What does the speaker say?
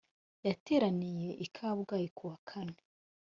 yateraniye i kabgayi kuwa kane